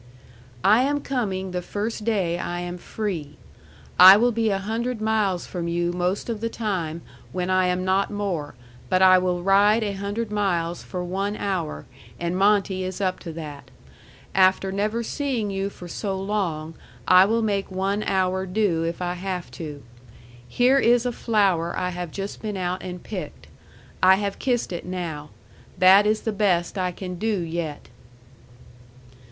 I am coming the first day I am free. I will be a hundred miles from you most of the time when I am not more but I will ride a hundred miles for one hour and Monte is up to that. After never seeing you for so long I will make one hour do if I have to. Here is a flower I have just been out and picked. I have kissed it now. That is the best I can do yet.